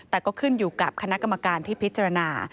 แต่ก็ขึ้นอยู่กับคณะกรรมการที่พิจารณา